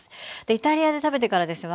イタリアで食べてからですよ